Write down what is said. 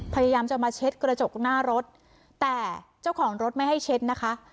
พยายามจะมาเช็ดกระจกหน้ารถแต่เจ้าของรถไม่ให้เช็ดนะคะ